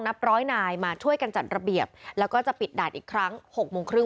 นับร้อยนายมาช่วยกันจัดระเบียบแล้วก็จะปิดด่านอีกครั้ง๖โมงครึ่ง